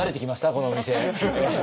このお店。